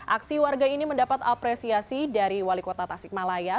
aksi warga ini mendapat apresiasi dari wali kota tasikmalaya